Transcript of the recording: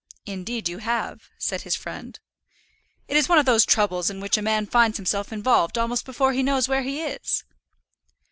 "Indeed you have," said his friend. "It is one of those troubles in which a man finds himself involved almost before he knows where he is."